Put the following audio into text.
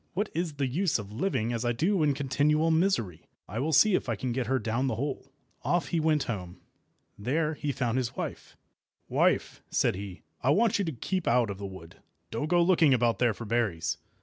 What is the use of living as I do in continual misery? I will see if I can get her down the hole." Off he went home. There he found his wife. "Wife," said he, "I want you to keep out of the wood. Don't go looking about there for berries."